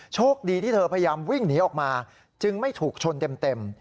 โชคดีที่เธอพยายามวิ่งหนีออกมาจึงไม่ถูกชนเต็ม